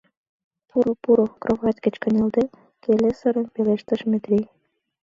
— Пуро, пуро, — кровать гыч кынелде, келесырын пелештыш Метрий.